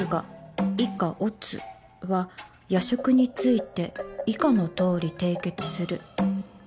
以下乙は夜食について以下の通り締結する」